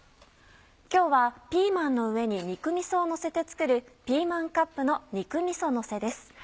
今日はピーマンの上に肉みそをのせて作る「ピーマンカップの肉みそのせ」です。